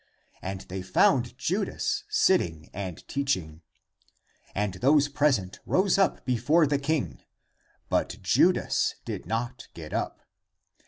And they found Judas sit ting and teaching. And those present rose up be fore the king, but he (Judas) did not get up.